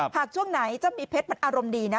ช่วงไหนเจ้ามีเพชรมันอารมณ์ดีนะ